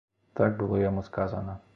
Так было яму сказана.